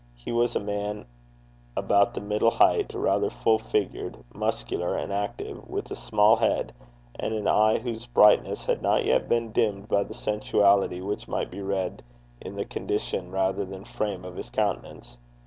He was a man about the middle height, rather full figured, muscular and active, with a small head, and an eye whose brightness had not yet been dimmed by the sensuality which might be read in the condition rather than frame of his countenance.